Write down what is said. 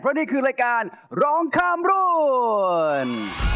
เพราะนี่คือรายการร้องข้ามรุ่น